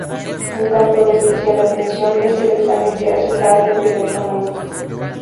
Un campo de especial atención es el examen que hace Tarde de lo "económico".